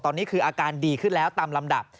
ตอนนี้คืออาการดีขึ้นแล้วตามลำดับ